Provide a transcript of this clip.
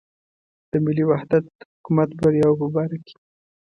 د ملي وحدت حکومت بریاوو په باره کې.